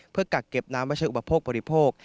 เพื่อกักเก็บน้ำมาใช้อุปโภคบริโภค